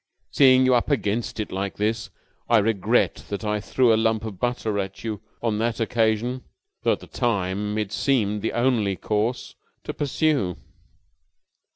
Seeing you up against it like this, I regret that I threw a lump of butter at you on that occasion, though at the time it seemed the only course to pursue."